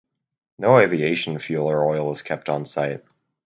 No aviation fuel or oil is kept on site.